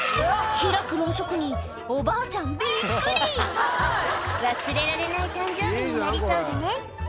開くロウソクにおばあちゃんびっくり忘れられない誕生日になりそうだね